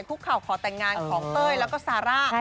คุกเข่าขอแต่งงานของเต้ยแล้วก็ซาร่า